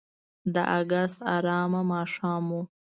د اګست آرامه ماښام و.